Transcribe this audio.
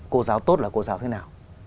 cô giáo tốt là cô giáo thế nào